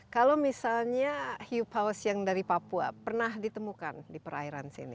kalau misalnya hiu paus yang dari papua pernah ditemukan di perairan sini